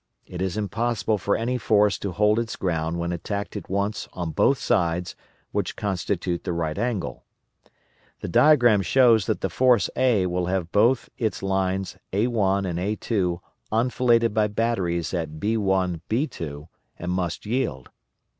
It is impossible for any force to hold its ground when attacked at once on both sides which constitute the right angle. The diagram shows that the force A will have both its lines a1 and a2 enfiladed by batteries at b1 b2, and must yield.